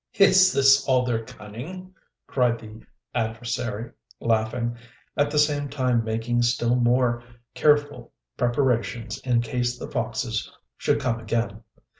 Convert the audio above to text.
"Is this all their cunning?" cried their adversary, laughing, at the same time making still more careful preparations in case the foxes should come again.